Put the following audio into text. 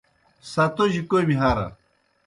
ستوجیْ کوْمی ہرہ۔